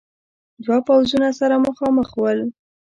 دو پوځونه سره مخامخ ول.